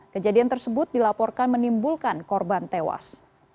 kejadian tersebut dilaporkan menimbulkan korban tewas